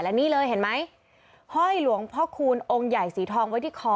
และนี่เลยเห็นไหมห้อยหลวงพ่อคูณองค์ใหญ่สีทองไว้ที่คอ